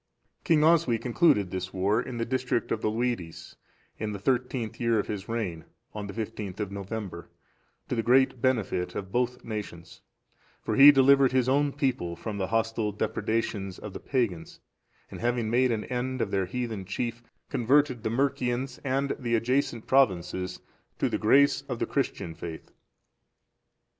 King Oswy concluded this war in the district of Loidis, in the thirteenth year of his reign, on the 15th of November,(443) to the great benefit of both nations; for he delivered his own people from the hostile depredations of the pagans, and, having made an end of their heathen chief, converted the Mercians and the adjacent provinces to the grace of the Christian faith.